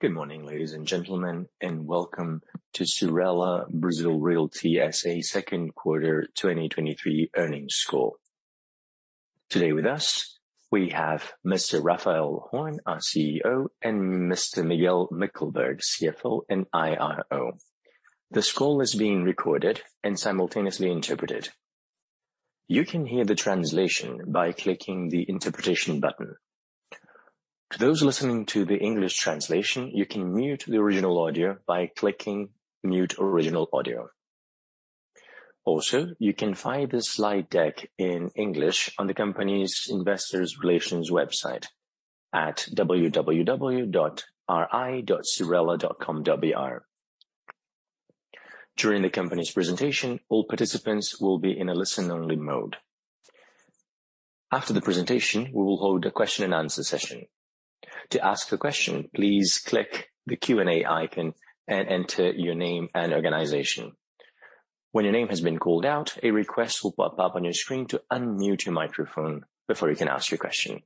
Good morning, ladies and gentlemen, and welcome to Cyrela Brazil Realty S.A. second quarter 2023 earnings call. Today with us, we have Mr. Raphael Horn, our CEO, and Mr. Miguel Mickelberg, CFO and IRO. This call is being recorded and simultaneously interpreted. You can hear the translation by clicking the Interpretation button. To those listening to the English translation, you can mute the original audio by clicking Mute Original Audio. Also, you can find the slide deck in English on the company's investor relations website at www.ri.cyrela.com.br. During the company's presentation, all participants will be in a listen-only mode. After the presentation, we will hold a question-and-answer session. To ask a question, please click the Q&A icon and enter your name and organization. When your name has been called out, a request will pop up on your screen to unmute your microphone before you can ask your question.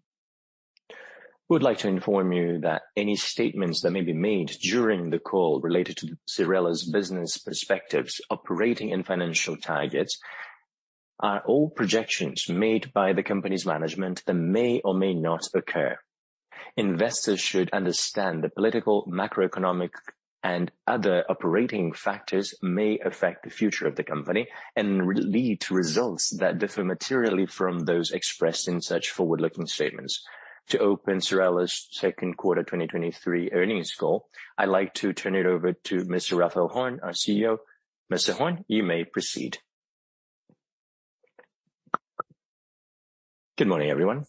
We would like to inform you that any statements that may be made during the call related to Cyrela's business perspectives, operating and financial targets, are all projections made by the company's management that may or may not occur. Investors should understand the political, macroeconomic, and other operating factors may affect the future of the company and lead to results that differ materially from those expressed in such forward-looking statements. To open Cyrela's second quarter 2023 earnings call, I'd like to turn it over to Mr. Raphael Horn, our CEO. Mr. Horn, you may proceed. Good morning, everyone.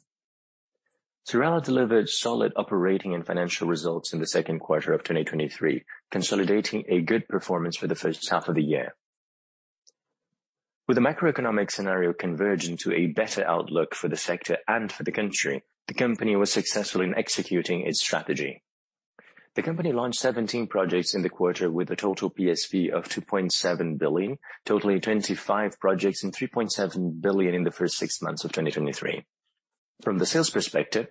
Cyrela delivered solid operating and financial results in the second quarter of 2023, consolidating a good performance for the first half of the year. With the macroeconomic scenario converging to a better outlook for the sector and for the country, the company was successful in executing its strategy. The company launched 17 projects in the quarter with a total PSV of 2.7 billion, totaling 25 projects and 3.7 billion in the first six months of 2023. From the sales perspective,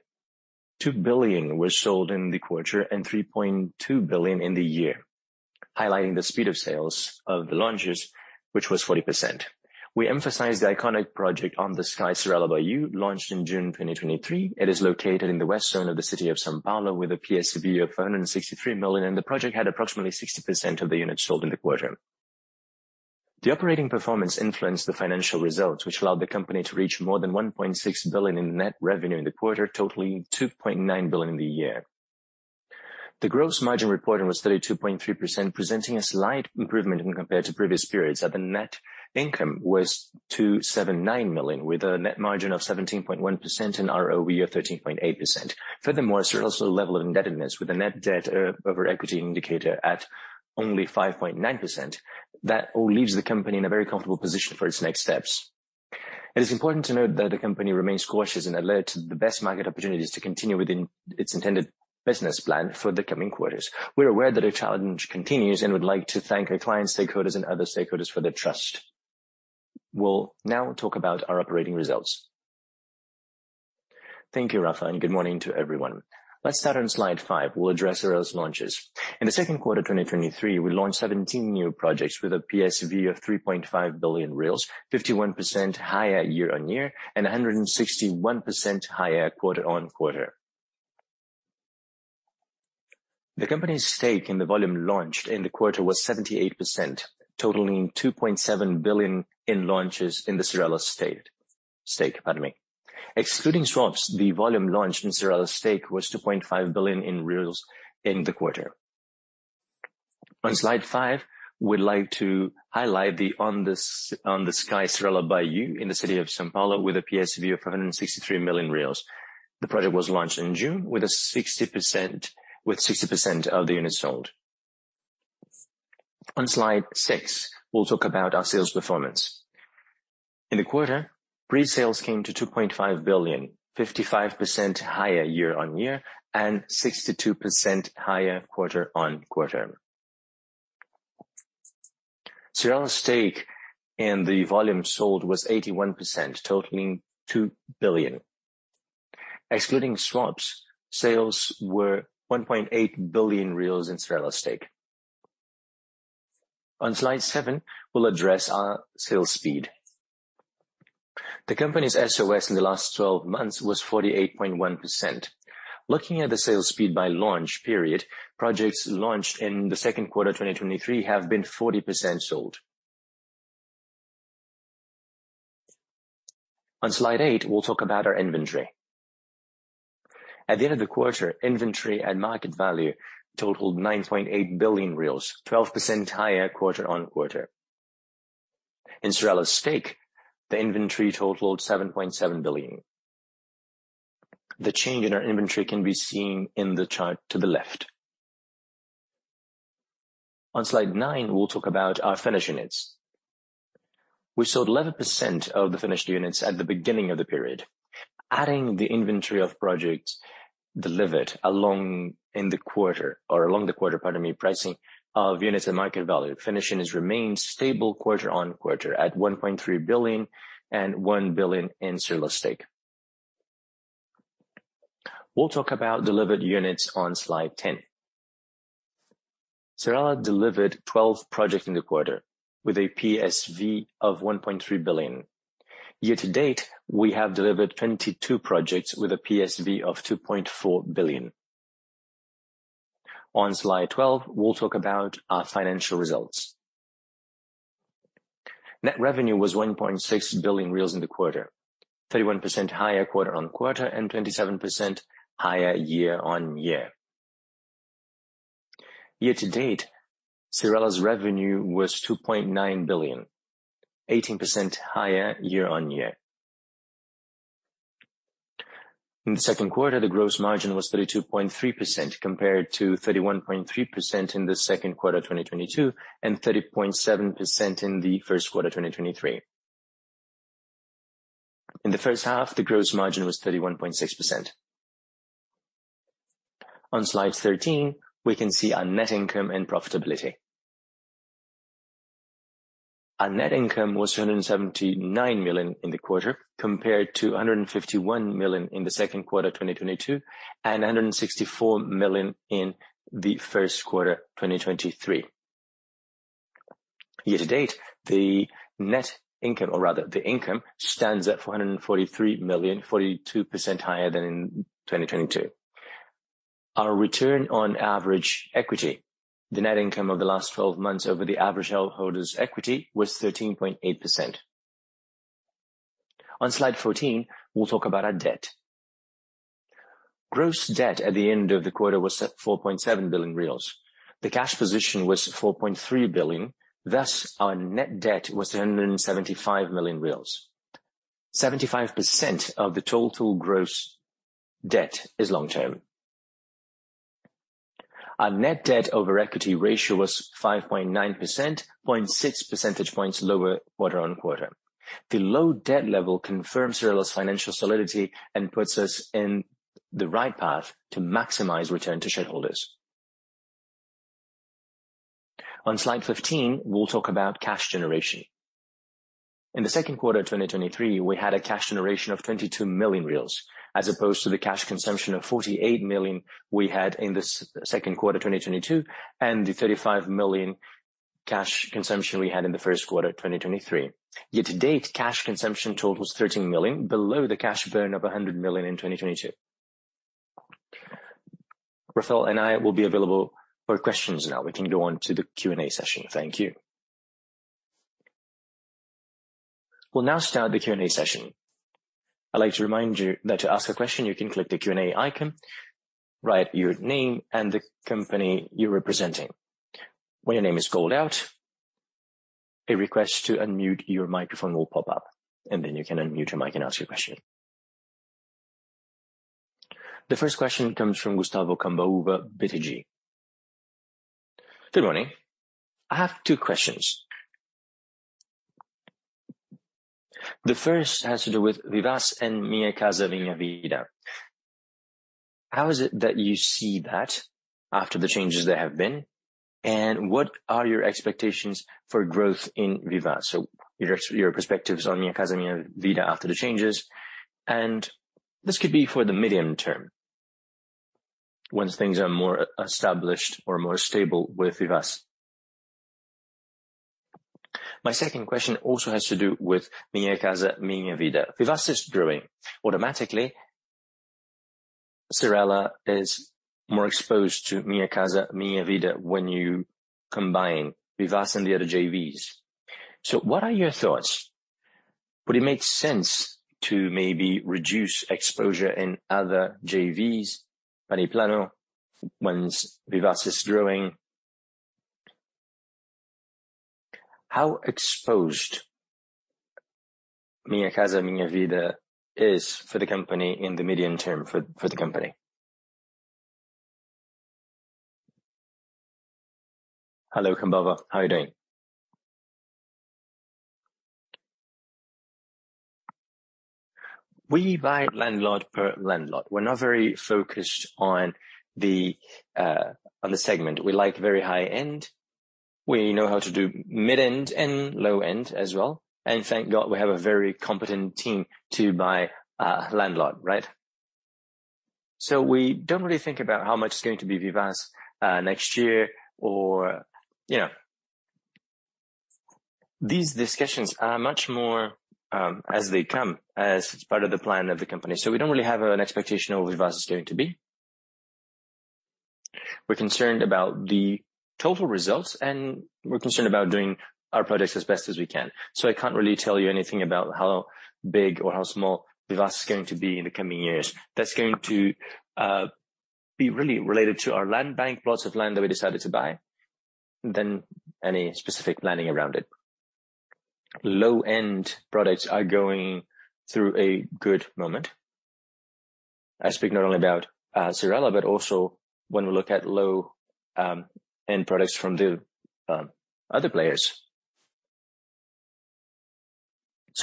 2 billion was sold in the quarter and 3.2 billion in the year, highlighting the speed of sales of the launches, which was 40%. We emphasize the iconic project On The Sky Cyrela by Yoo, launched in June 2023. It is located in the west zone of the city of São Paulo with a PSV of 563 million, and the project had approximately 60% of the units sold in the quarter. The operating performance influenced the financial results, which allowed the company to reach more than 1.6 billion in net revenue in the quarter, totaling 2.9 billion in the year. The gross margin reporting was 32.3%, presenting a slight improvement when compared to previous periods, and the net income was 279 million, with a net margin of 17.1% and ROE of 13.8%. Furthermore, there's also a level of indebtedness, with a net debt over equity indicator at only 5.9%. That all leaves the company in a very comfortable position for its next steps. It is important to note that the company remains cautious and alert to the best market opportunities to continue within its intended business plan for the coming quarters. We're aware that the challenge continues and would like to thank our clients, stakeholders, and other stakeholders for their trust. We'll now talk about our operating results. Thank you, Raphael, and good morning to everyone. Let's start on slide 5. We'll address Cyrela's launches. In the second quarter of 2023, we launched 17 new projects with a PSV of 3.5 billion reais, 51% higher year-over-year, and 161% higher quarter-over-quarter. The company's stake in the volume launched in the quarter was 78%, totaling 2.7 billion in launches in the Cyrela stake. Stake, pardon me. Excluding swaps, the volume launched in Cyrela stake was 2.5 billion in the quarter. On slide five, we'd like to highlight the On The Sky Cyrela by Yoo in the city of São Paulo with a PSV of 563 million reais. The project was launched in June with 60% of the units sold. On Slide six, we'll talk about our sales performance. In the quarter, pre-sales came to 2.5 billion, 55% higher year-on-year and 62% higher quarter-on-quarter. Cyrela's stake in the volume sold was 81%, totaling 2 billion. Excluding swaps, sales were 1.8 billion reais in Cyrela stake. On Slide 7, we'll address our sales speed. The company's SOS in the last 12 months was 48.1%. Looking at the sales speed by launch period, projects launched in the 2Q 2023 have been 40% sold. On Slide 8, we'll talk about our inventory. At the end of the quarter, inventory at market value totaled 9.8 billion reais, 12% higher quarter-on-quarter. In Cyrela's stake, the inventory totaled 7.7 billion. The change in our inventory can be seen in the chart to the left. On Slide 9, we'll talk about our finished units. We sold 11% of the finished units at the beginning of the period. Adding the inventory of projects delivered along in the quarter or along the quarter, pardon me, pricing of units and market value, finished units remains stable quarter-on-quarter at 1.3 billion and 1 billion in Cyrela stake. We'll talk about delivered units on Slide 10. Cyrela delivered 12 projects in the quarter, with a PSV of 1.3 billion. Year-to-date, we have delivered 22 projects with a PSV of 2.4 billion. On Slide 12, we'll talk about our financial results. Net revenue was 1.6 billion reais in the quarter, 31% higher quarter-on-quarter, and 27% higher year-on-year. Year to date, Cyrela's revenue was 2.9 billion, 18% higher year-over-year. In the second quarter, the gross margin was 32.3%, compared to 31.3% in the second quarter, 2022, and 30.7% in the first quarter, 2023. In the first half, the gross margin was 31.6%. On slide 13, we can see our net income and profitability. Our net income was 179 million in the quarter, compared to 151 million in the second quarter, 2022, and 164 million in the first quarter, 2023. Year to date, the net income, or rather the income, stands at 443 million, 42% higher than in 2022. Our return on average equity, the net income of the last 12 months over the average shareholders' equity was 13.8%. On slide 14, we'll talk about our debt. Gross debt at the end of the quarter was at 4.7 billion reais. The cash position was 4.3 billion, thus our net debt was 275 million reais. 75% of the total gross debt is long-term. Our net debt over equity ratio was 5.9%, 0.6 percentage points lower quarter-over-quarter. The low debt level confirms Cyrela's financial solidity and puts us in the right path to maximize return to shareholders. On slide 15, we'll talk about cash generation. In the second quarter, 2023, we had a cash generation of 22 million, as opposed to the cash consumption of 48 million we had in the second quarter, 2022, and the 35 million cash consumption we had in the first quarter, 2023. Year to date, cash consumption total was 13 million, below the cash burn of 100 million in 2022. Raphael Horn and I will be available for questions now. We can go on to the Q&A session. Thank you. We'll now start the Q&A session. I'd like to remind you that to ask a question, you can click the Q&A icon, write your name and the company you're representing. When your name is called out, a request to unmute your microphone will pop up, and then you can unmute your mic and ask your question. The first question comes from Gustavo Cambauva, BTG. Good morning. I have two questions. The first has to do with Vivaz and Minha Casa, Minha Vida. How is it that you see that after the changes that have been, and what are your expectations for growth in Vivaz? Your, your perspectives on Minha Casa, Minha Vida after the changes, and this could be for the medium term, once things are more established or more stable with Vivaz. My second question also has to do with Minha Casa, Minha Vida. Vivaz is growing. Automatically, Cyrela is more exposed to Minha Casa, Minha Vida when you combine Vivaz and the other JVs. What are your thoughts? Would it make sense to maybe reduce exposure in other JVs, any Plano, once Vivaz is growing? How exposed Minha Casa, Minha Vida is for the company in the medium term for, for the company? Hello, Cambauva. How are you doing? We buy landlord per landlord. We're not very focused on the on the segment. We like very high end. We know how to do mid-end and low-end as well, and thank God, we have a very competent team to buy landlord, right? So we don't really think about how much it's going to be Vivaz next year, or... You know, these discussions are much more as they come as part of the plan of the company. So we don't really have an expectation of what Vivaz is going to be. We're concerned about the total results, and we're concerned about doing our products as best as we can. So I can't really tell you anything about how big or how small Vivaz is going to be in the coming years. That's going to be really related to our land bank, plots of land that we decided to buy, than any specific planning around it. Low-end products are going through a good moment. I speak not only about Cyrela, but also when we look at low-end products from the other players.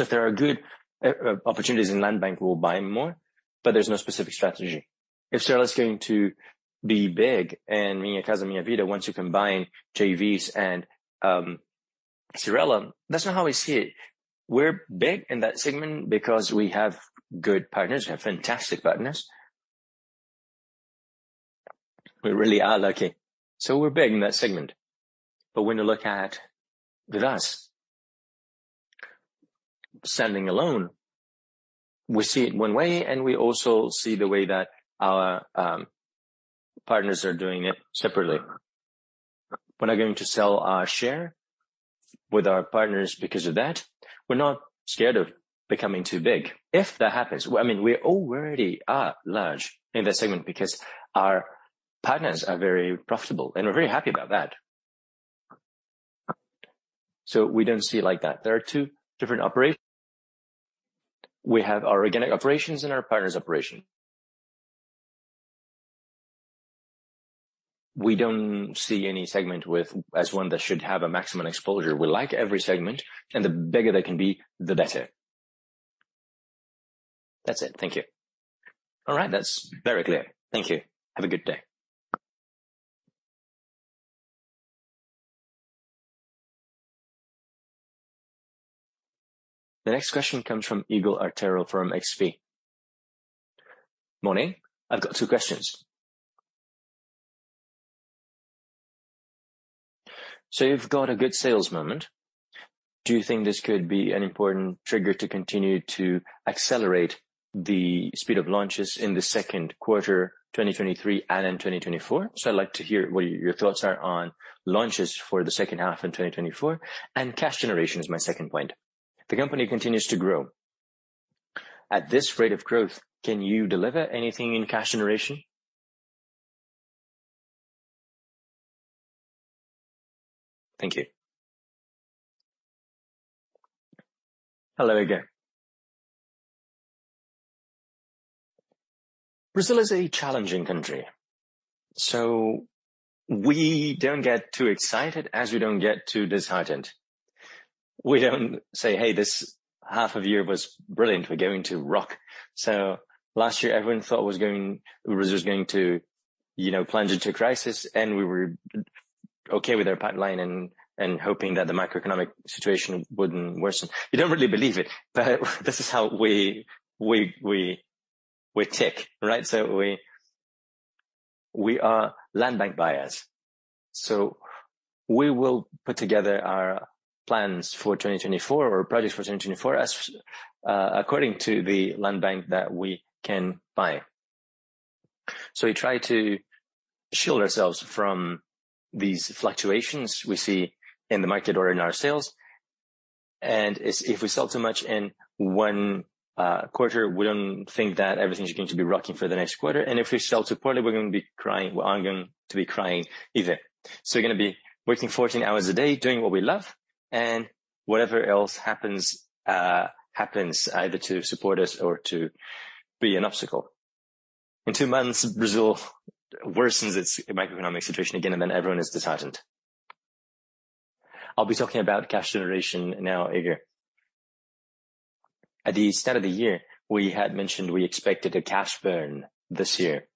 If there are good opportunities in land bank, we will buy more, but there's no specific strategy. If Cyrela is going to be big in Minha Casa, Minha Vida, once you combine JVs and Cyrela, that's not how I see it. We're big in that segment because we have good partners, we have fantastic partners. We really are lucky. We're big in that segment. When you look at with us, standing alone, we see it one way, and we also see the way that our partners are doing it separately. We're not going to sell our share with our partners because of that. We're not scared of becoming too big. If that happens, well, I mean, we already are large in that segment because our partners are very profitable, and we're very happy about that. We don't see it like that. There are two different operations. We have our organic operations and our partners' operation. We don't see any segment as one that should have a maximum exposure. We like every segment, and the bigger they can be, the better. That's it. Thank you. All right, that's very clear. Thank you. Have a good day. The next question comes from Ygor Altero from XP. Morning, I've got two questions. You've got a good sales moment. Do you think this could be an important trigger to continue to accelerate the speed of launches in the second quarter 2023 and in 2024? I'd like to hear what your thoughts are on launches for the second half in 2024, and cash generation is my second point. The company continues to grow. At this rate of growth, can you deliver anything in cash generation? Thank you. Hello, again. Brazil is a challenging country, so we don't get too excited as we don't get too disheartened. We don't say, "Hey, this half of the year was brilliant. We're going to rock." Last year, everyone thought it was Brazil was going to, you know, plunge into a crisis, and we were okay with our pipeline and, and hoping that the macroeconomic situation wouldn't worsen. You don't really believe it, this is how we, we, we, we tick, right? We, we are land bank buyers. We will put together our plans for 2024 or projects for 2024 as according to the land bank that we can buy. We try to shield ourselves from these fluctuations we see in the market or in our sales, if, if we sell too much in one quarter, we don't think that everything's going to be rocking for the next quarter, if we sell to poorly, we're gonna be crying. We aren't going to be crying either. We're gonna be working 14 hours a day, doing what we love, and whatever else happens, happens either to support us or to be an obstacle. In two months, Brazil worsens its macroeconomic situation again, then everyone is disheartened. I'll be talking about cash generation now, Igor. At the start of the year, we had mentioned we expected a cash burn this year,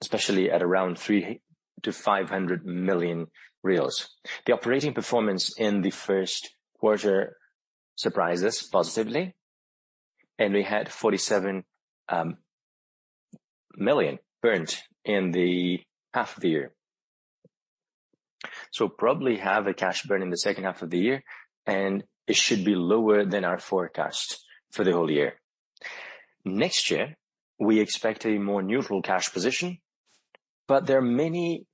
especially at around 300 million-500 million. The operating performance in the first quarter surprised us positively. We had 47 million burnt in the half of the year. We'll probably have a cash burn in the second half of the year, and it should be lower than our forecast for the whole year. Next year, we expect a more neutral cash position. There are many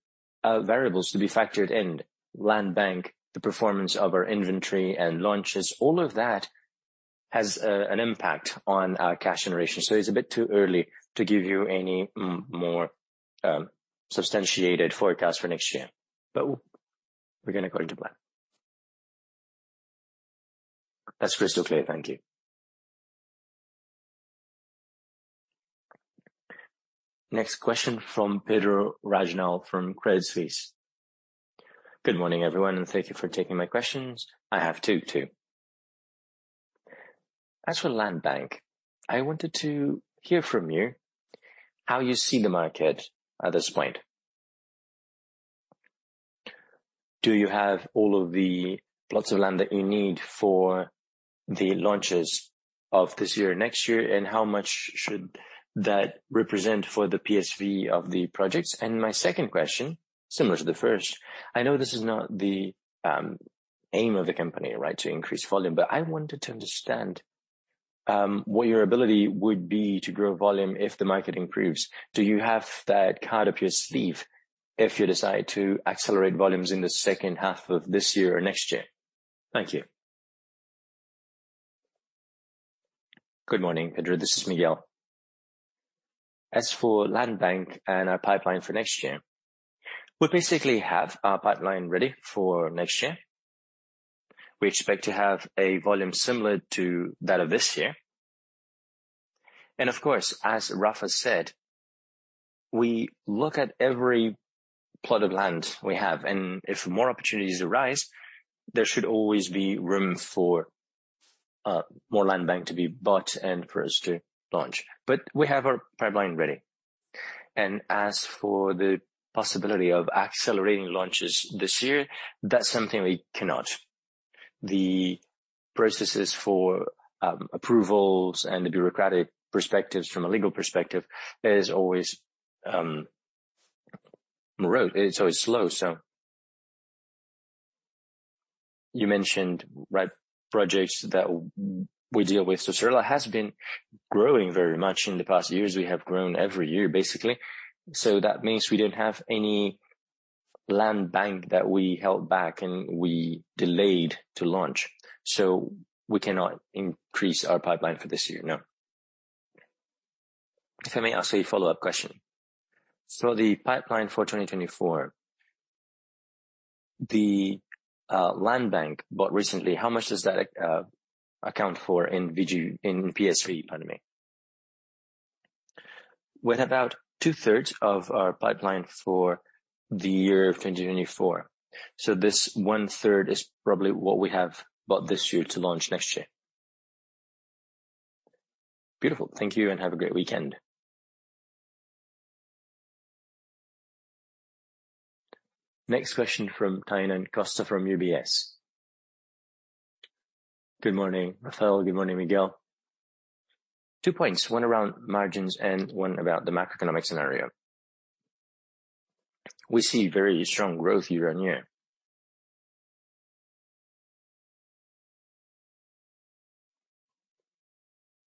variables to be factored in: land bank, the performance of our inventory and launches. All of that has an impact on our cash generation, so it's a bit too early to give you any more substantiated forecast for next year, but we're gonna go into plan. That's crystal clear. Thank you. Next question from Pedro Hajnal from Credit Suisse. Good morning, everyone, thank you for taking my questions. I have two, too. As for land bank, I wanted to hear from you how you see the market at this point. Do you have all of the plots of land that you need for the launches of this year or next year, and how much should that represent for the PSV of the projects? My second question, similar to the first, I know this is not the aim of the company, right? To increase volume, but I wanted to understand what your ability would be to grow volume if the market improves. Do you have that card up your sleeve if you decide to accelerate volumes in the second half of this year or next year? Thank you. Good morning, Pedro, this is Miguel. As for land bank and our pipeline for next year, we basically have our pipeline ready for next year. We expect to have a volume similar to that of this year. Of course, as Rafa said, we look at every plot of land we have, and if more opportunities arise, there should always be room for more land bank to be bought and for us to launch. We have our pipeline ready. As for the possibility of accelerating launches this year, that's something we cannot. The processes for approvals and the bureaucratic perspectives from a legal perspective, is always road. It's always slow, so. You mentioned, right, projects that we deal with. Cyrela has been growing very much in the past years. We have grown every year, basically. That means we don't have any land bank that we held back and we delayed to launch, so we cannot increase our pipeline for this year, no. If I may ask a follow-up question. The pipeline for 2024, the land bank bought recently, how much does that account for in VG-- in PSV? Pardon me. Well, about two-thirds of our pipeline for the year of 2024. This one-third is probably what we have bought this year to launch next year. Beautiful. Thank you, and have a great weekend. Next question from Tainan Costa from UBS. Good morning, Raphael. Good morning, Miguel. Two points, one around margins and one about the macroeconomic scenario. We see very strong growth year-on-year.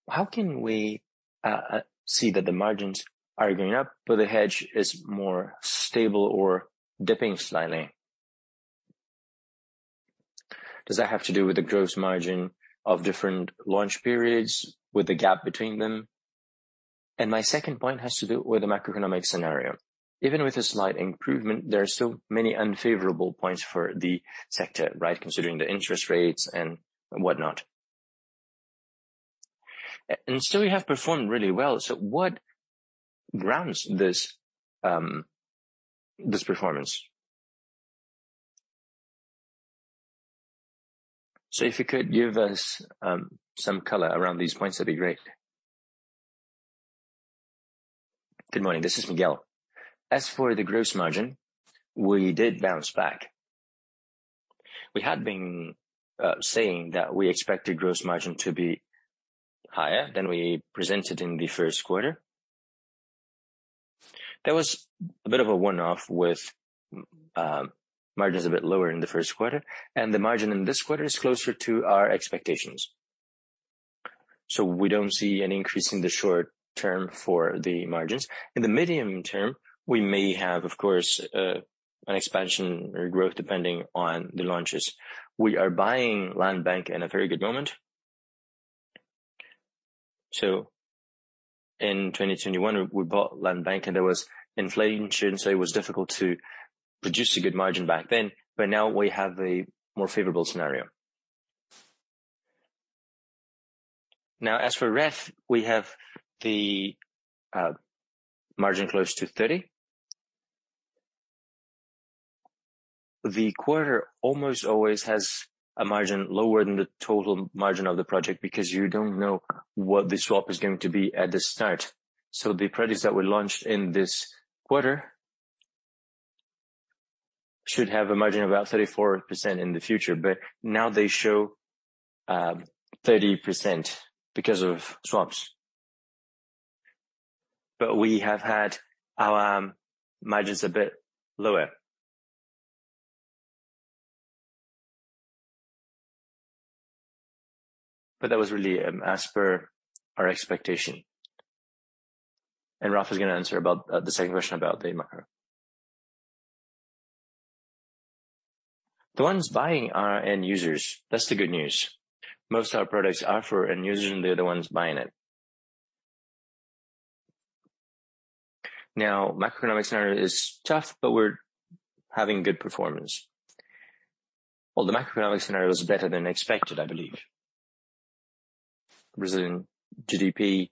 How can we see that the margins are going up, but the hedge is more stable or dipping slightly? Does that have to do with the gross margin of different launch periods, with the gap between them? My second point has to do with the macroeconomic scenario. Even with a slight improvement, there are still many unfavorable points for the sector, right? Considering the interest rates and whatnot. Still you have performed really well, so what grounds this performance? If you could give us some color around these points, that'd be great. Good morning. This is Miguel. As for the gross margin, we did bounce back. We had been saying that we expected gross margin to be higher than we presented in the first quarter. That was a bit of a one-off with margins a bit lower in the first quarter, and the margin in this quarter is closer to our expectations. We don't see an increase in the short term for the margins. In the medium term, we may have, of course, an expansion or growth, depending on the launches. We are buying land bank in a very good moment. In 2021, we bought land bank, and there was inflation, so it was difficult to produce a good margin back then, but now we have a more favorable scenario. As for REF, we have the margin close to 30. The quarter almost always has a margin lower than the total margin of the project, because you don't know what the swap is going to be at the start. The products that were launched in this quarter, should have a margin of about 34% in the future, but now they show 30% because of swaps. We have had our margins a bit lower. That was really as per our expectation. Raphael is gonna answer about the second question about the macro. The ones buying are end users. That's the good news. Most of our products are for end users, and they're the ones buying it. Now, macroeconomic scenario is tough, but we're having good performance. Well, the macroeconomic scenario is better than expected, I believe. Brazilian GDP,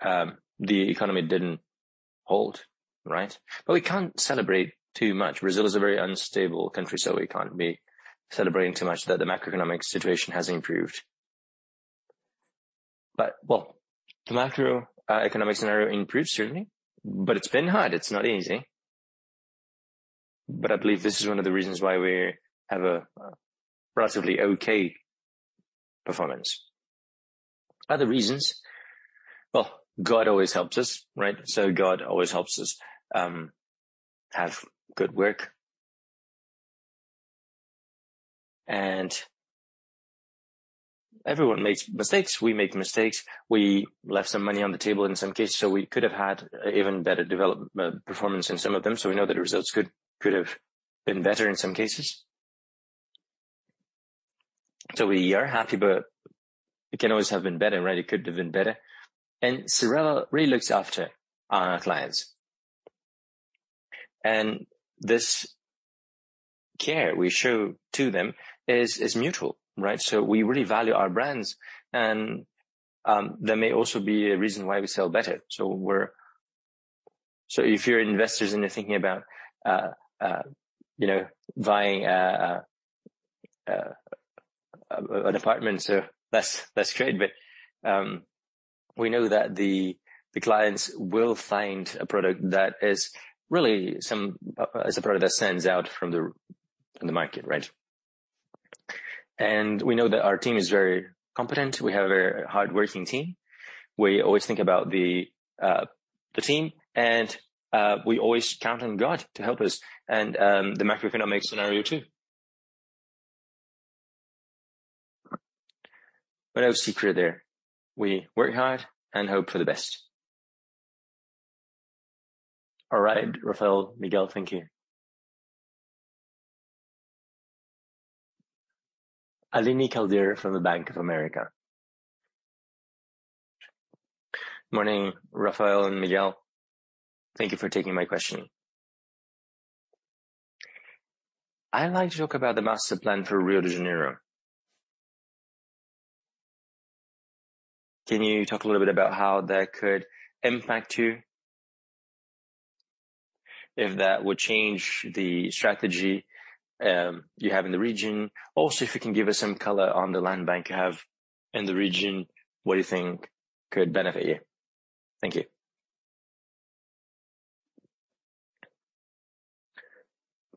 the economy didn't halt, right? We can't celebrate too much. Brazil is a very unstable country, so we can't be celebrating too much that the macroeconomic situation has improved. Well, the macroeconomic scenario improved, certainly, but it's been hard. It's not easy, but I believe this is one of the reasons why we have a relatively okay performance. Other reasons, well, God always helps us, right? God always helps us have good work. Everyone makes mistakes. We make mistakes. We left some money on the table in some cases, we could have had even better performance in some of them. We know that the results could have been better in some cases. We are happy, but it can always have been better, right? It could have been better. Cyrela really looks after our clients, and this care we show to them is mutual, right? We really value our brands, and that may also be a reason why we sell better. If you're investors, you're thinking about, you know, buying an apartment, that's great. We know that the clients will find a product that is really some, is a product that stands out from the market, right? We know that our team is very competent. We have a very hardworking team. We always think about the team, and we always count on God to help us, and the macroeconomic scenario, too. No secret there. We work hard and hope for the best. All right, Raphael, Miguel, thank you. Eleni Kalil from the Bank of America. Morning, Raphael and Miguel. Thank you for taking my question. I'd like to talk about the master plan for Rio de Janeiro. Can you talk a little bit about how that could impact you? If that would change the strategy you have in the region. If you can give us some color on the land bank you have in the region, what do you think could benefit you? Thank you.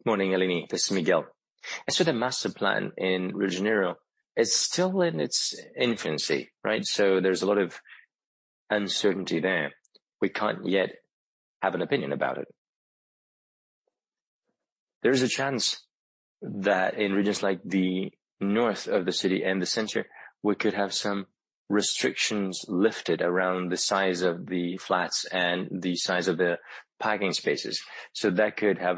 Morning, Eleni. This is Miguel. As for the master plan in Rio de Janeiro, it's still in its infancy, right? There's a lot of uncertainty there. We can't yet have an opinion about it. There is a chance that in regions like the north of the city and the center, we could have some restrictions lifted around the size of the flats and the size of the parking spaces, that could have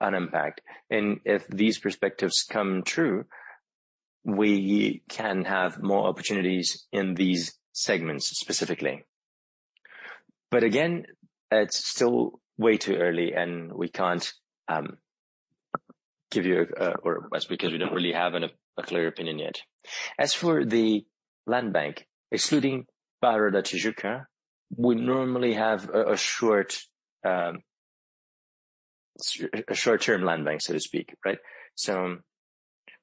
an impact. If these perspectives come true, we can have more opportunities in these segments specifically. Again, it's still way too early, and we can't give you a or because we don't really have a clear opinion yet. As for the land bank, excluding Barra da Tijuca, we normally have a short, a short-term land bank, so to speak, right?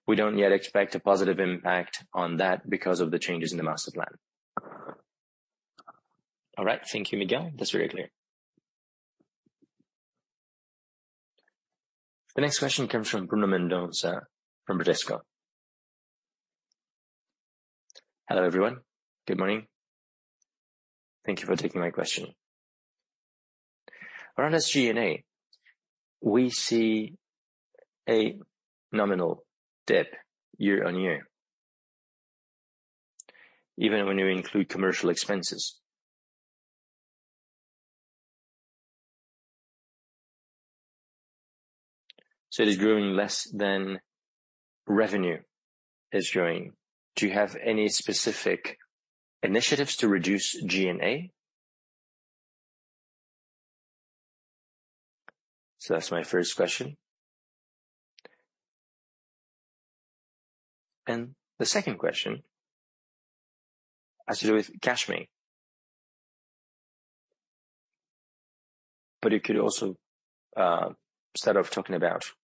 We don't yet expect a positive impact on that because of the changes in the master plan. All right. Thank you, Miguel. That's very clear. The next question comes from Bruno Mendonca from Bradesco. Hello, everyone. Good morning. Thank you for taking my question. Around SG&A, we see a nominal dip year on year, even when you include commercial expenses. It is growing less than revenue is growing. Do you have any specific initiatives to reduce G&A? That's my first question. The second question has to do with CashMe, but it could also start off talking about G&A.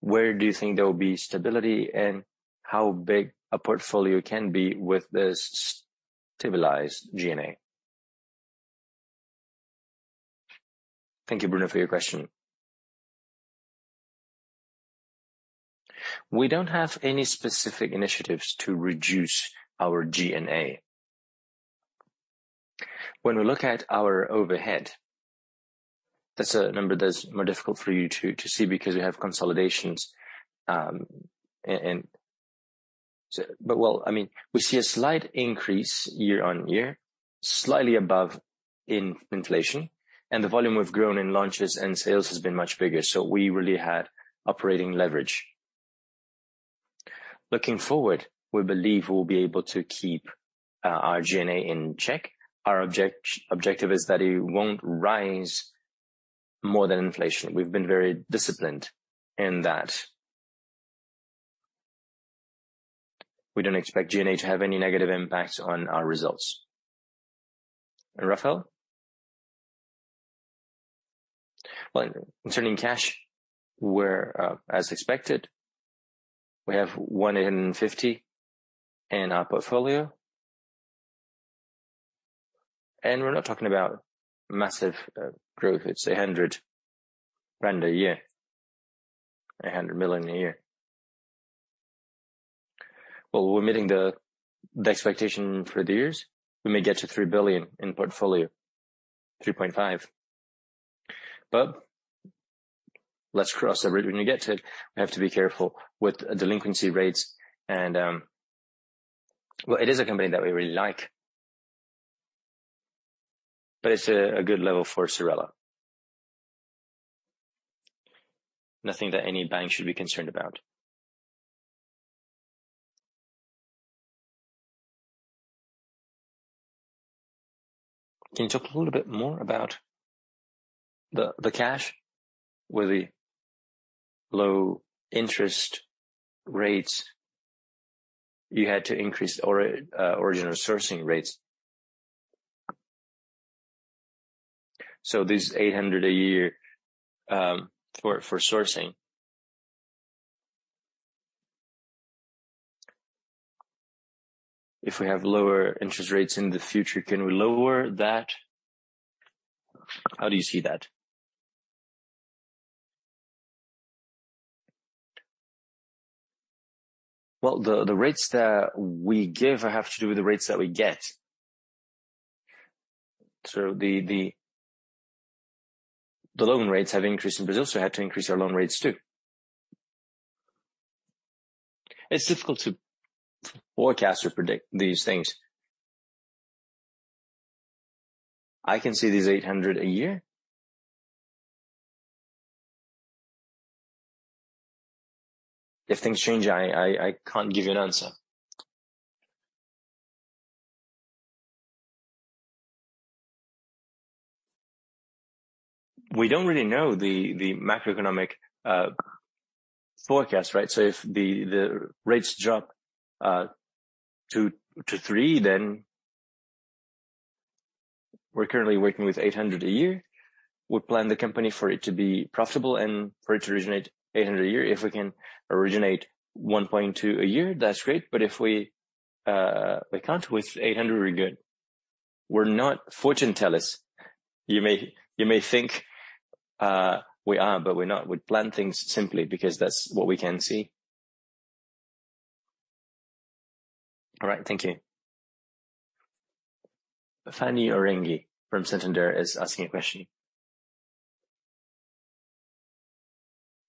Where do you think there will be stability, and how big a portfolio can be with this stabilized G&A? Thank you, Bruno, for your question. We don't have any specific initiatives to reduce our G&A. When we look at our overhead, that's a number that's more difficult for you to, to see because we have consolidations. Well, I mean, we see a slight increase year-on-year, slightly above in inflation, and the volume we've grown in launches and sales has been much bigger, so we really had operating leverage. Looking forward, we believe we'll be able to keep our G&A in check. Our objective is that it won't rise more than inflation. We've been very disciplined in that. We don't expect G&A to have any negative impact on our results. Raphael? Well, concerning cash, we're, as expected, we have one in fifty in our portfolio. We're not talking about massive, growth. It's 100 a year, 100 million a year. Well, we're meeting the, the expectation for the years. We may get to 3 billion in portfolio, 3.5 billion, but let's cross that bridge when we get to it. We have to be careful with delinquency rates. Well, it is a company that we really like, but it's a, a good level for Cyrela. Nothing that any bank should be concerned about. Can you talk a little bit more about the cash with the low interest rates?... you had to increase original sourcing rates. This 800 a year, for sourcing. If we have lower interest rates in the future, can we lower that? How do you see that? The rates that we give have to do with the rates that we get. The loan rates have increased in Brazil, so we had to increase our loan rates, too. It's difficult to forecast or predict these things. I can see this 800 a year. If things change, I, I, I can't give you an answer. We don't really know the macroeconomic forecast, right? If the rates drop to 3, then we're currently working with 800 a year. We plan the company for it to be profitable and for it to originate 800 a year. If we can originate 1.2 a year, that's great, but if we, we count with 800, we're good. We're not fortune tellers. You may, you may think, we are, but we're not. We plan things simply because that's what we can see. All right, thank you. Fanny Oreng from Santander is asking a question.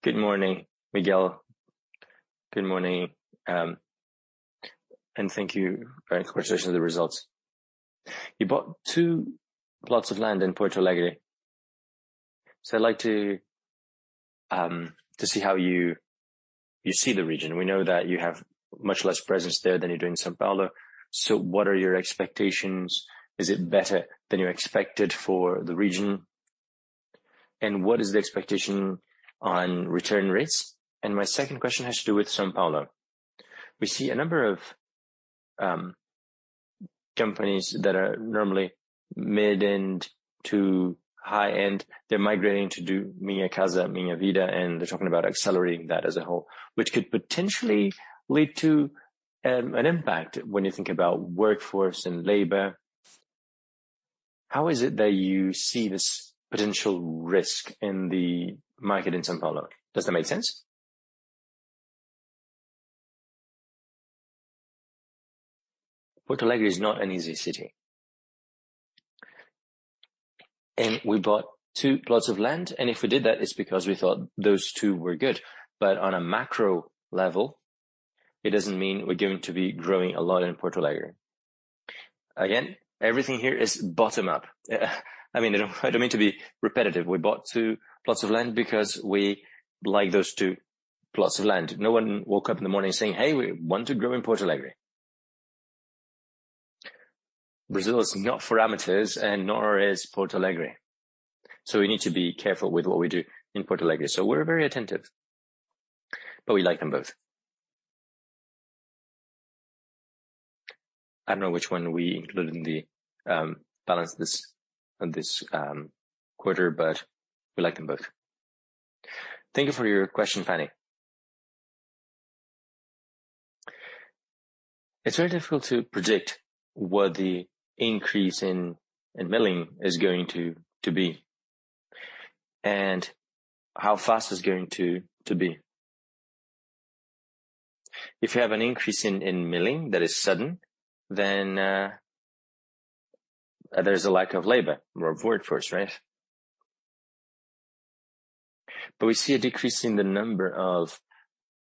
Good morning, Miguel. Thank you very much for presentation the results. You bought two plots of land in Porto Alegre. I'd like to see how you, you see the region. We know that you have much less presence there than you do in São Paulo. What are your expectations? Is it better than you expected for the region? What is the expectation on return rates? My second question has to do with São Paulo. We see a number of companies that are normally mid-end to high-end, they're migrating to do Minha Casa, Minha Vida, and they're talking about accelerating that as a whole, which could potentially lead to an impact when you think about workforce and labor. How is it that you see this potential risk in the market in São Paulo? Does that make sense? Porto Alegre is not an easy city. We bought two plots of land, and if we did that, it's because we thought those two were good. On a macro level, it doesn't mean we're going to be growing a lot in Porto Alegre. Again, everything here is bottom-up. I mean, I don't mean to be repetitive. We bought two plots of land because we like those two plots of land. No one woke up in the morning saying, "Hey, we want to grow in Porto Alegre." Brazil is not for amateurs, and nor is Porto Alegre. We need to be careful with what we do in Porto Alegre. We're very attentive, but we like them both. I don't know which one we included in the balance this, on this quarter, but we like them both. Thank you for your question, Fanny. It's very difficult to predict what the increase in, in milling is going to, to be, and how fast it's going to, to be. If you have an increase in, in milling that is sudden, then there's a lack of labor or workforce, right? We see a decrease in the number of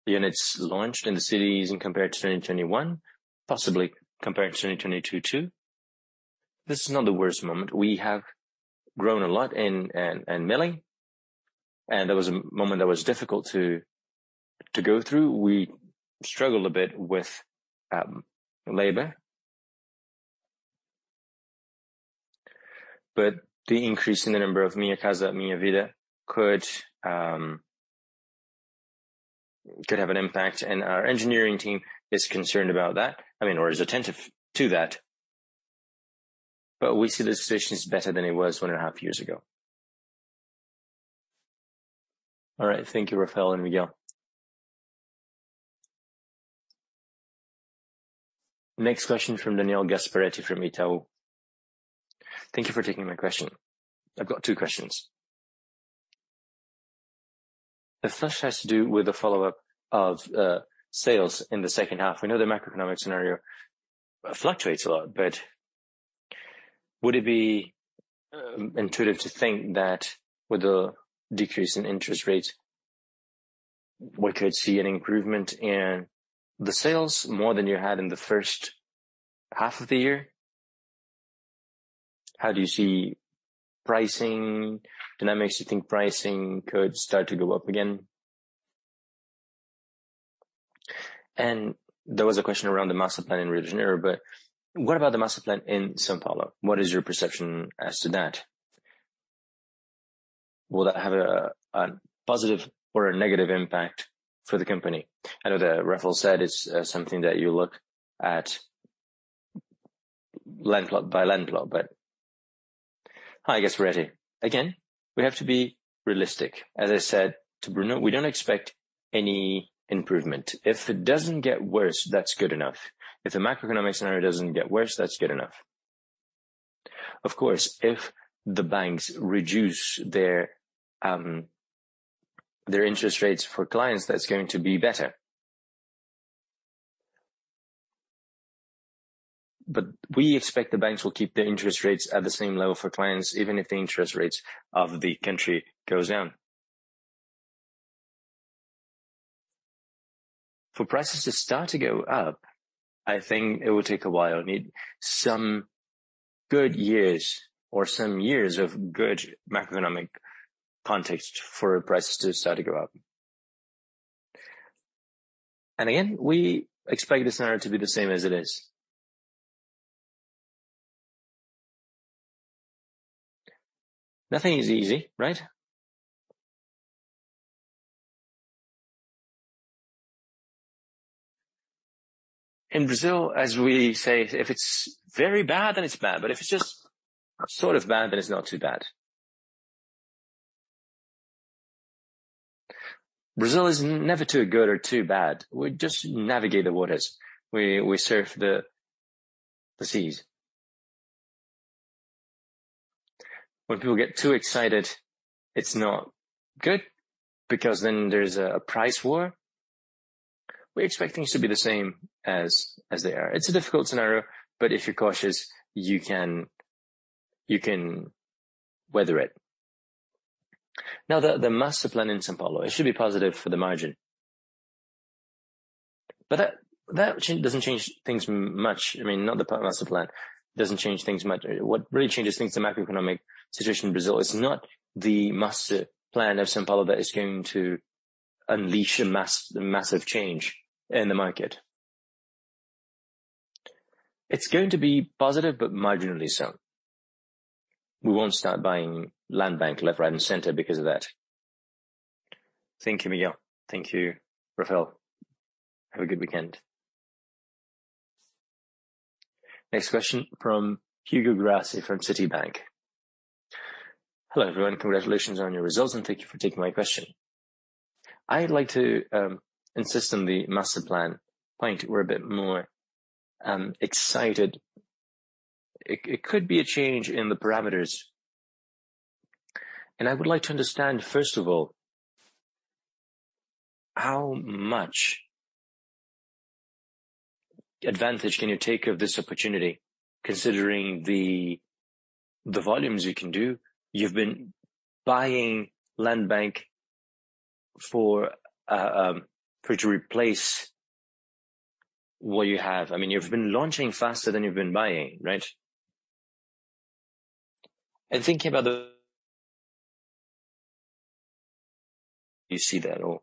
units launched in the cities in compared to 2021, possibly compared to 2022, too. This is not the worst moment. We have grown a lot in, in, in milling, and there was a moment that was difficult to, to go through. We struggled a bit with labor. The increase in the number of Minha Casa, Minha Vida could have an impact, and our engineering team is concerned about that, I mean, or is attentive to that. We see the situation is better than it was one and a half years ago. All right. Thank you, Raphael and Miguel. Next question from Daniel Gaspareti from Itaú. Thank you for taking my question. I've got two questions. The first has to do with the follow-up of sales in the second half. We know the macroeconomic scenario fluctuates a lot, but would it be intuitive to think that with the decrease in interest rates, we could see an improvement in the sales more than you had in the first half of the year? How do you see pricing dynamics? You think pricing could start to go up again? There was a question around the master plan in Rio de Janeiro, but what about the master plan in São Paulo? What is your perception as to that? Will that have a positive or a negative impact for the company? I know that Raphael said it's something that you look at land plot by land plot, but I guess we're ready. Again, we have to be realistic. As I said to Bruno, we don't expect any improvement. If it doesn't get worse, that's good enough. If the macroeconomic scenario doesn't get worse, that's good enough. Of course, if the banks reduce their interest rates for clients, that's going to be better. We expect the banks will keep their interest rates at the same level for clients, even if the interest rates of the country goes down. For prices to start to go up, I think it will take a while. It need some good years or some years of good macroeconomic context for prices to start to go up. Again, we expect the scenario to be the same as it is. Nothing is easy, right? In Brazil, as we say, if it's very bad, then it's bad, but if it's just sort of bad, then it's not too bad. Brazil is never too good or too bad. We just navigate the waters. We surf the seas. When people get too excited, it's not good because then there's a price war. We're expecting it to be the same as they are. It's a difficult scenario, but if you're cautious, you can weather it. Now, the master plan in São Paulo, it should be positive for the margin. That change doesn't change things much. I mean, not the master plan, doesn't change things much. What really changes things, the macroeconomic situation in Brazil, it's not the master plan of São Paulo that is going to unleash a massive change in the market. It's going to be positive, but marginally so. We won't start buying land bank, left, right, and center because of that. Thank you, Miguel. Thank you, Raphael. Have a good weekend. Next question from Hugo Grassi from Citi. Hello, everyone. Congratulations on your results. Thank you for taking my question. I'd like to insist on the master plan point. We're a bit more excited. It, it could be a change in the parameters. I would like to understand, first of all, how much advantage can you take of this opportunity, considering the, the volumes you can do? You've been buying land bank to replace what you have. I mean, you've been launching faster than you've been buying, right? Thinking about the... Do you see that at all?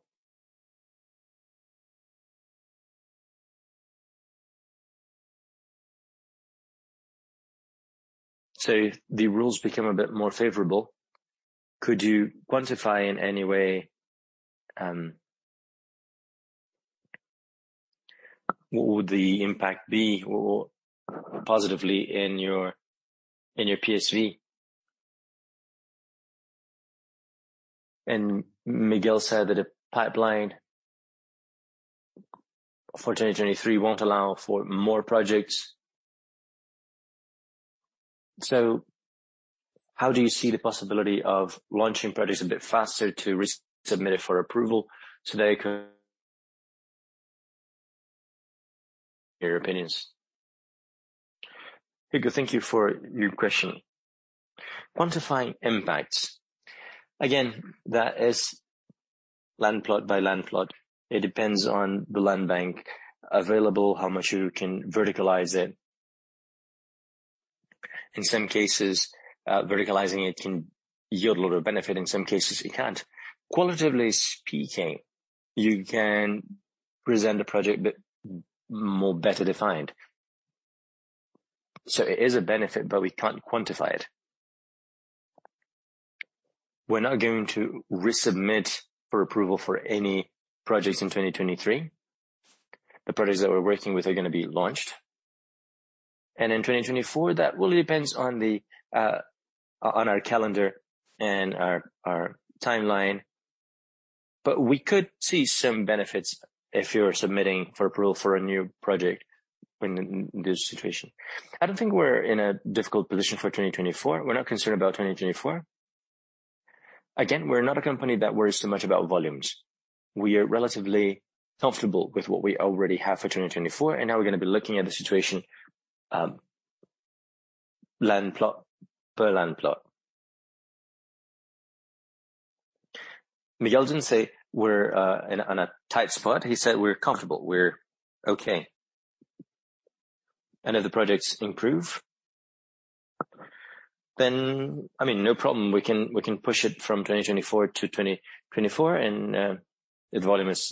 The rules become a bit more favorable. Could you quantify in any way what would the impact be or positively in your, in your PSV? Miguel said that the pipeline for 2023 won't allow for more projects. How do you see the possibility of launching projects a bit faster to resubmit it for approval so they could. Your opinions. Hugo, thank you for your question. Quantifying impacts. Again, that is land plot by land plot. It depends on the land bank available, how much you can verticalize it. In some cases, verticalizing it can yield a lot of benefit, in some cases, it can't. Qualitatively speaking, you can present a project, but more better defined. It is a benefit, but we can't quantify it. We're not going to resubmit for approval for any projects in 2023. The projects that we're working with are gonna be launched. In 2024, that will depends on the on our calendar and our, our timeline, but we could see some benefits if you're submitting for approval for a new project in, in this situation. I don't think we're in a difficult position for 2024. We're not concerned about 2024. Again, we're not a company that worries so much about volumes. We are relatively comfortable with what we already have for 2024, and now we're gonna be looking at the situation, land plot per land plot. Miguel didn't say we're in a, on a tight spot. He said, we're comfortable, we're okay. If the projects improve, then, I mean, no problem, we can, we can push it from 2024 to 2024, and if the volume is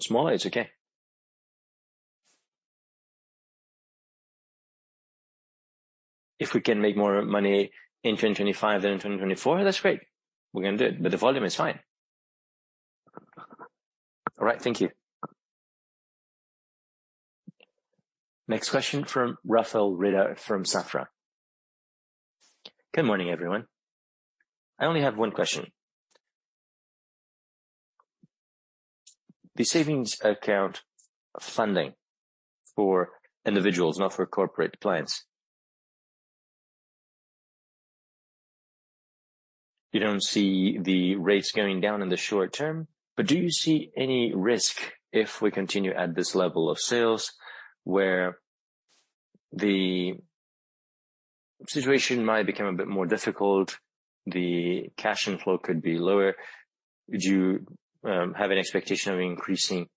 smaller, it's okay. If we can make more money in 2025 than in 2024, that's great. We're gonna do it, the volume is fine. All right, thank you. Next question from Raphael Rehder from Safra. Good morning, everyone. I only have one question. The savings account funding for individuals, not for corporate clients, you don't see the rates going down in the short term, but do you see any risk if we continue at this level of sales, where the situation might become a bit more difficult, the cash inflow could be lower? Would you have an expectation of increasing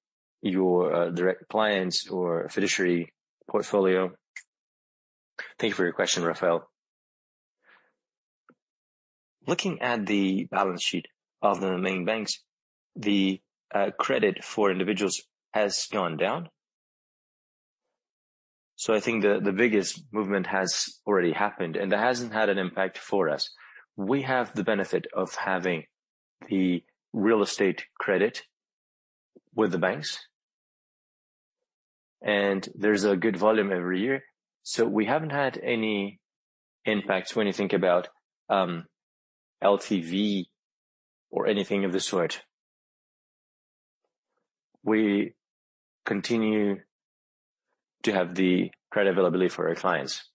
your direct clients or fiduciary portfolio? Thank you for your question, Raphael. Looking at the balance sheet of the main banks, the credit for individuals has gone down. I think the biggest movement has already happened, and that hasn't had an impact for us. We have the benefit of having the real estate credit with the banks, and there's a good volume every year, so we haven't had any impacts when you think about LTV or anything of the sort. We continue to have the credit availability for our clients.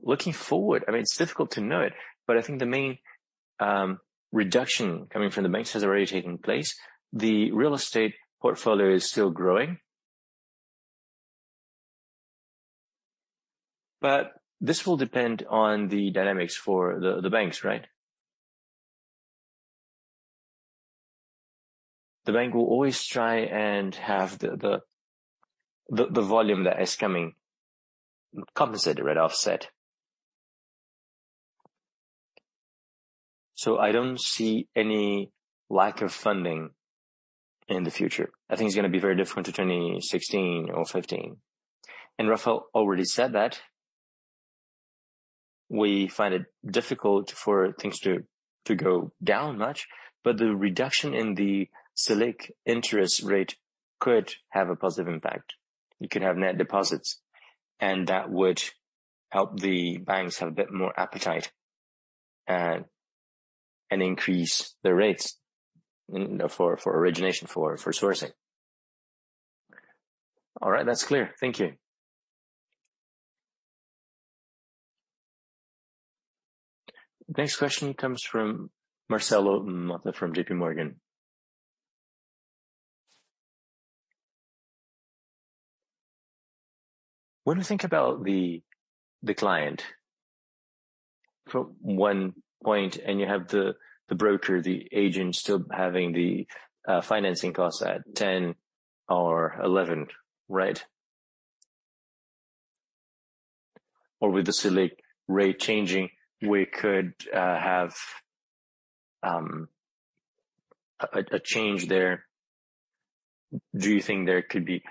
Looking forward, I mean, it's difficult to know it, I think the main reduction coming from the banks has already taken place. The real estate portfolio is still growing. This will depend on the dynamics for the banks, right? The bank will always try and have the volume that is coming compensated, right, offset. I don't see any lack of funding in the future. I think it's gonna be very different to 2016 or 15. Raphael already said that, we find it difficult for things to go down much, but the reduction in the Selic interest rate could have a positive impact. You could have net deposits, and that would help the banks have a bit more appetite and, and increase their rates for, for origination, for, for sourcing. All right, that's clear. Thank you. Next question comes from Marcelo Motta from JP Morgan. When you think about the, the client, from 1 point, and you have the, the broker, the agent still having the financing costs at 10 or 11, right? With the Selic rate changing, we could have a change there. Do you think there could be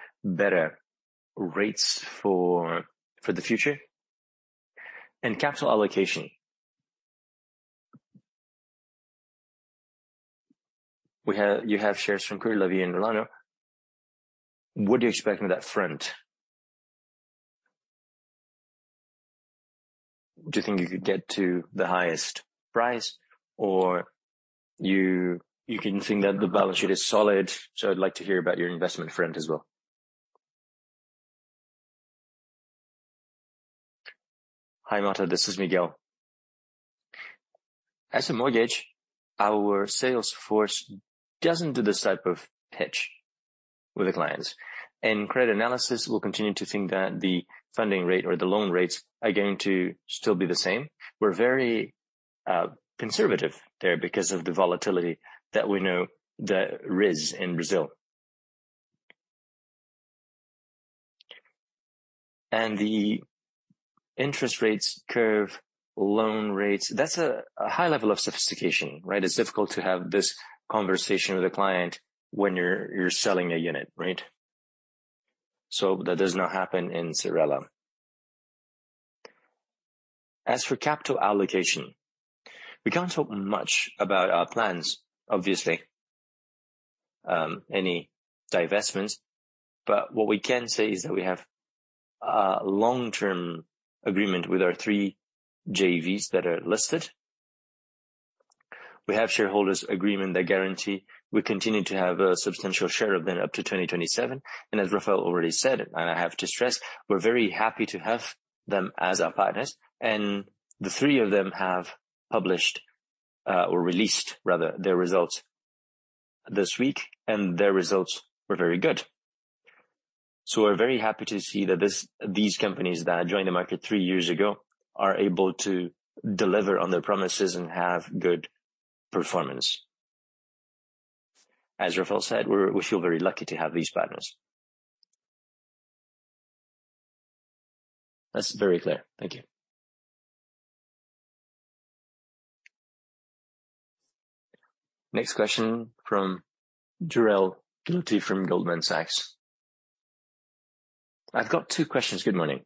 better rates for, for the future? Capital allocation. You have shares from Cury Milano. What do you expect from that front? Do you think you could get to the highest price, or you, you can think that the balance sheet is solid? I'd like to hear about your investment front as well. Hi, Motta, this is Miguel. As a mortgage, our sales force doesn't do this type of pitch with the clients, credit analysis will continue to think that the funding rate or the loan rates are going to still be the same. We're very conservative there because of the volatility that we know there is in Brazil. The interest rates curve, loan rates, that's a high level of sophistication, right? It's difficult to have this conversation with a client when you're selling a unit, right? That does not happen in Cyrela. As for capital allocation, we can't talk much about our plans, obviously, any divestments, what we can say is that we have a long-term agreement with our three JVs that are listed. We have shareholders' agreement, they guarantee we continue to have a substantial share of them up to 2027, and as Raphael already said, and I have to stress, we're very happy to have them as our partners, and the three of them have published, or released, rather, their results this week, and their results were very good. We're very happy to see that these companies that joined the market 3 years ago, are able to deliver on their promises and have good performance. As Raphael said, we feel very lucky to have these partners. That's very clear. Thank you. Next question from Jorel Guilloty from Goldman Sachs. "I've got 2 questions. Good morning.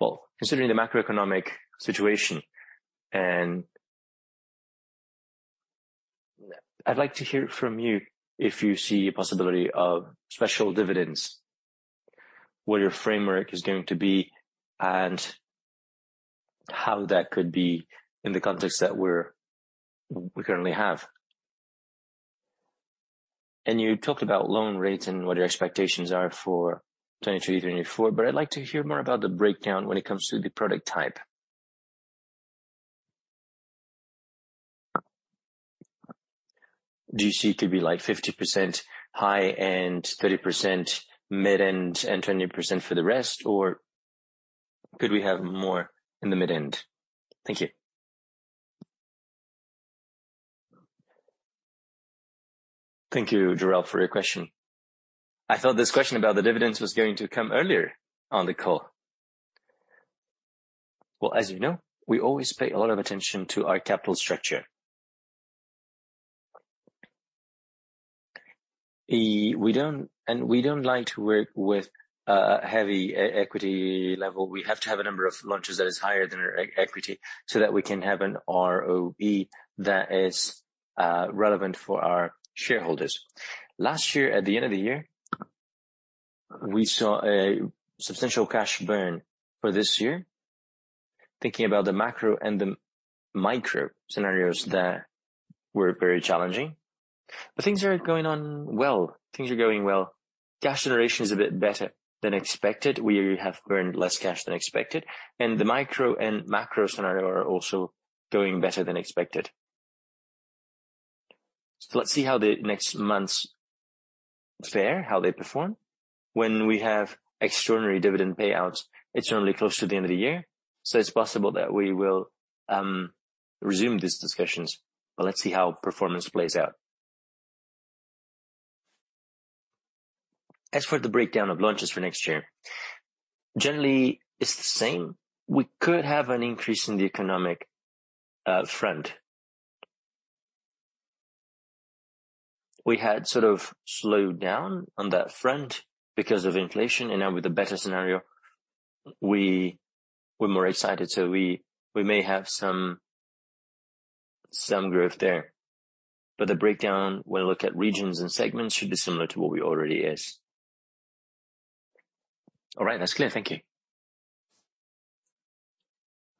Well, considering the macroeconomic situation, and I'd like to hear from you if you see a possibility of special dividends, what your framework is going to be, and how that could be in the context that we currently have. You talked about loan rates and what your expectations are for 2023, 2024, but I'd like to hear more about the breakdown when it comes to the product type. Do you see it could be like 50% high and 30% mid-end, and 20% for the rest, or could we have more in the mid-end? Thank you." Thank you, Jorel, for your question. I thought this question about the dividends was going to come earlier on the call. Well, as you know, we always pay a lot of attention to our capital structure. We don't-- we don't like to work with heavy e-equity level. We have to have a number of launches that is higher than our e-equity so that we can have an ROE that is relevant for our shareholders. Last year, at the end of the year, we saw a substantial cash burn for this year, thinking about the macro and the micro scenarios that were very challenging. Things are going on well. Things are going well. Cash generation is a bit better than expected. We have burned less cash than expected, the micro and macro scenario are also going better than expected. Let's see how the next months fare, how they perform. When we have extraordinary dividend payouts, it's generally close to the end of the year, so it's possible that we will resume these discussions, but let's see how performance plays out. As for the breakdown of launches for next year, generally, it's the same. We could have an increase in the economic front. We had sort of slowed down on that front because of inflation, and now with a better scenario, we're more excited, so we may have some growth there. The breakdown, when we look at regions and segments, should be similar to what we already is. "All right. That's clear. Thank you."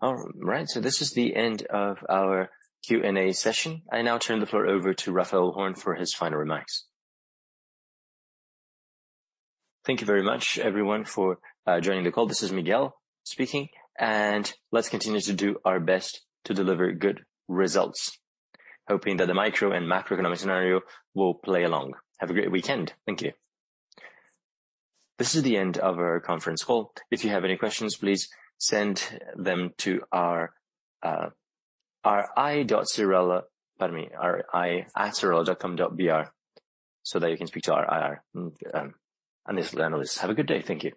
All right. This is the end of our Q&A session. I now turn the floor over to Raphael Horn for his final remarks. Thank you very much, everyone, for joining the call. This is Miguel speaking. Let's continue to do our best to deliver good results, hoping that the micro and macroeconomic scenario will play along. Have a great weekend. Thank you. This is the end of our conference call. If you have any questions, please send them to our, our ri@cyrela, pardon me, our ri@cyrela.com.br, so that you can speak to our IR analysis. Have a good day. Thank you.